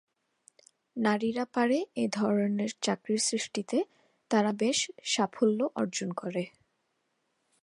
নারীরা পারে এধরনের চাকরির সৃষ্টিতে তারা বেশ সাফল্য অর্জন করে।